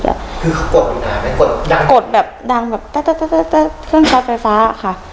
คือเขากดอยู่ดังไหมกดดังกดแบบดังแบบเต๊ะเต๊ะเต๊ะเต๊ะเครื่องช็อตไฟฟ้าอ่ะค่ะ